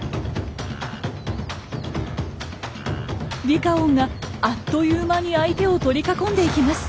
リカオンがあっという間に相手を取り囲んでいきます。